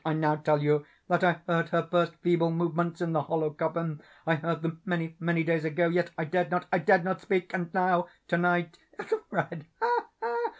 I now tell you that I heard her first feeble movements in the hollow coffin. I heard them—many, many days ago—yet I dared not—I dared not speak! And now—to night—Ethelred—ha! ha!